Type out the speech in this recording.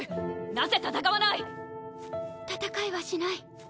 なぜ戦わない⁉戦いはしない。